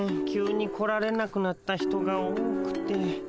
急に来られなくなった人が多くて。